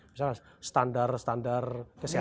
misalnya standar standar kesehatan